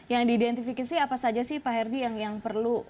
yang diidentifikasi apa saja sih pak herdy yang perlu